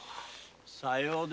さよう。